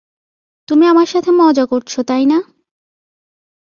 তুমি আমার সাথে মজা করছ, তাই না?